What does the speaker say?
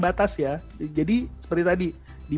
batas ya jadi seperti tadi di